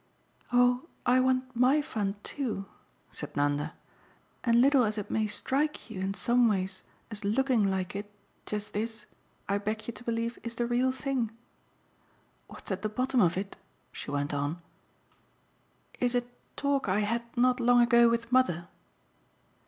"Oh I want MY fun too," said Nanda, "and little as it may strike you in some ways as looking like it, just this, I beg you to believe, is the real thing. What's at the bottom of it," she went on, "is a talk I had not long ago with mother."